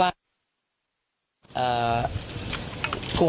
สามสอง